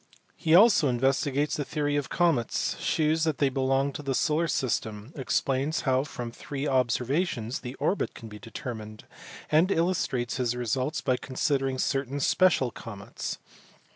He also investigates the theory of comets, shews that th^y belong to the solar system, explains how from three observations the orbit can be de termined, and illustrates his results by considering certain special comets.